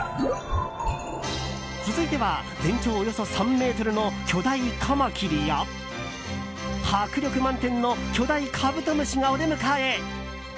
続いては全長およそ３ｍの巨大カマキリや迫力満点の巨大カブトムシがお出迎え。